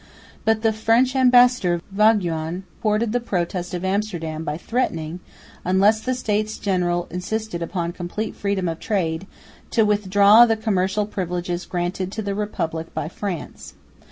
But the French ambassador Vauguyon supported the protest of Amsterdam by threatening, unless the States General insisted upon complete freedom of trade, to withdraw the commercial privileges granted to the Republic by France.